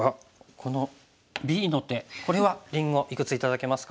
このＢの手これはりんごいくつ頂けますか？